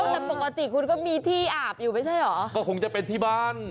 แต่ปกติคุณก็มีที่อาบอยู่ไม่ใช่เหรอก็คงจะเป็นที่บ้าน